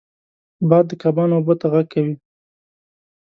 باد د کبانو اوبو ته غږ کوي